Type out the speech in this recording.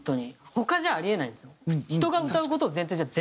他じゃあり得ないんですよ。